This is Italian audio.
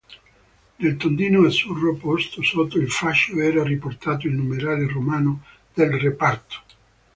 Nel tondino azzurro posto sotto il fascio era riportato il numerale romano del reparto.